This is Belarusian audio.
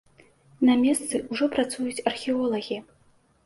На месцы ўжо працуюць археолагі.